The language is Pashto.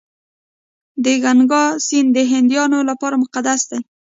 د ګنګا سیند د هندیانو لپاره مقدس دی.